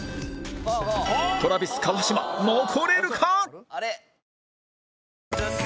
トラビス川島残れるか？